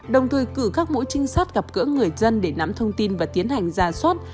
đồng thời cử các mũi trinh sát gặp gỡ người dân để nắm thông tin và tiến hành ra soát